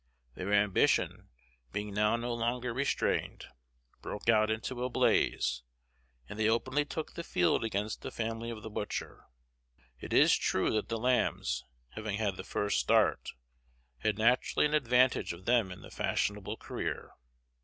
Their ambition, being now no longer restrained, broke out into a blaze, and they openly took the field against the family of the butcher. It is true that the Lambs, having had the first start, had naturally an advantage of them in the fashionable career.